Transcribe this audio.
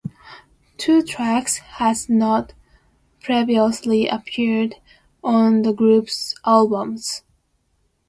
Two tracks had not previously appeared on the group's albums.